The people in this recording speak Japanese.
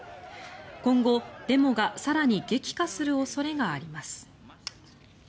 今後、デモが更に激化する恐れがあります。